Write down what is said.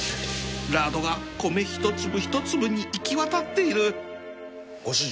ラードが米一粒一粒にいきわたっているご主人。